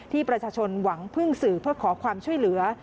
ที่ประชาชนหวังพึ่งสื่อเพื่อขอความช่วยเหลือ